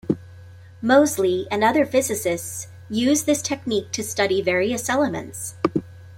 Moseley and other physicists used this technique to study various elements.